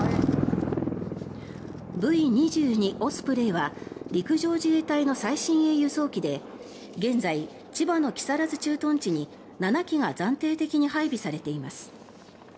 オスプレイは陸上自衛隊の最新鋭輸送機で現在、千葉の木更津駐屯地に７機が暫定的に配備されています。